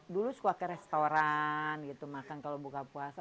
dulu suka ke restoran gitu makan kalau buka puasa